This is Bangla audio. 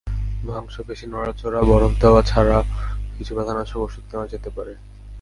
মাংসপেশি নড়াচড়া, বরফ দেওয়া ছাড়াও কিছু ব্যথানাশক ওষুধ নেওয়া যেতে পারে।